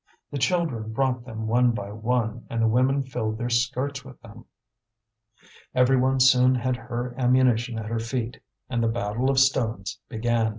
The children brought them one by one, and the women filled their skirts with them. Every one soon had her ammunition at her feet, and the battle of stones began.